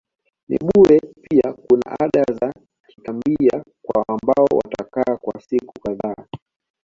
ni bure pia kuna ada za kikambia kwa ambao watakaa kwa siku kadhaa